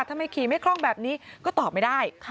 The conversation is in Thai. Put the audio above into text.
ขี่ไม่คล่องแบบนี้ก็ตอบไม่ได้